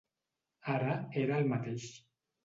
Ara era el mateix.